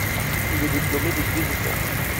Il est diplômé de deux écoles.